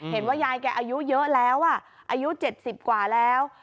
ยายแกอายุเยอะแล้วอายุ๗๐กว่าแล้ว